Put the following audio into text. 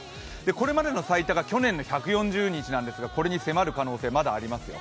これまでの最多が去年の１４０日なんですがこれに迫る可能性、まだありますよ。